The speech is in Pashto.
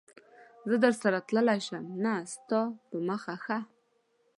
زه درسره تللای شم؟ نه، ستا په مخه ښه.